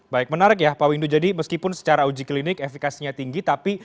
baik menarik ya pak windu jadi meskipun secara uji klinik efekasinya tinggi